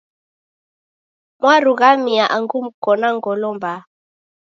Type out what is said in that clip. Mwarughamia angu muko na ngolo mbaha